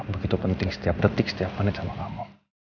begitu penting setiap detik setiap menit sama kamu